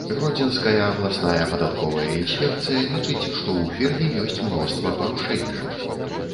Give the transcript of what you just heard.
Гродзенская абласная падатковая інспекцыя лічыць, што ў фірме ёсць мноства парушэнняў.